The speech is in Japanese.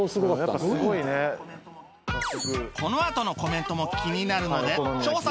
このあとのコメントも気になるので調査続行